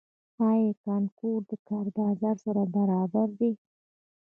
آیا کانکور د کار بازار سره برابر دی؟